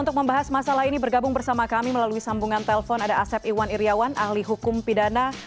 untuk membahas masalah ini bergabung bersama kami melalui sambungan telpon ada asep iwan iryawan ahli hukum pidana